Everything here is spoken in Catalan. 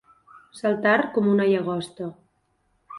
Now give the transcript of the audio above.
Saltar com una llagosta.